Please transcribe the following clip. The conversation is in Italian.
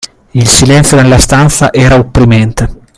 Il silenzio nella stanza era opprimente.